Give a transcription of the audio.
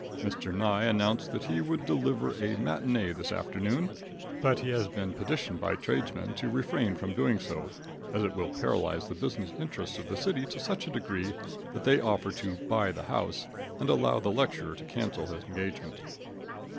Mr. Nye announced that he would deliver a matinee this afternoon, but he has been petitioned by tradesmen to refrain from doing so, as it will paralyze the business interests of the city to such a degree that they offer to "buy the house," and allow the lecturer to cancel his engagement.